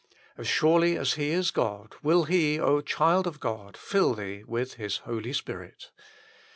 As surely as He is God, will He, child of God, fill thee with His Holy Spirit.